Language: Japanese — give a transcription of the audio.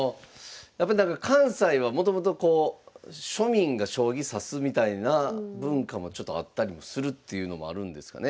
やっぱなんか関西はもともとこう庶民が将棋指すみたいな文化もちょっとあったりもするっていうのもあるんですかね。